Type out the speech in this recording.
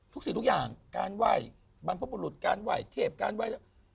สิ่งทุกอย่างการไหว้บรรพบุรุษการไหว้เทพการไหว้